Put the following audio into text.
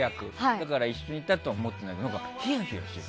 だから一緒にいたと思うとヒヤヒヤしてた。